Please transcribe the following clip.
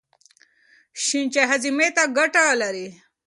شنه چای هاضمې ته ګټه لري.